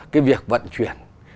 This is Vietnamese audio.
cái việc vận chuyển